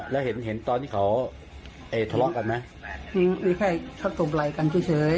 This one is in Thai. แล้วเห็นเห็นตอนที่เขาทะเลาะกันไหมมีมีแค่เขาตบไหล่กันเฉย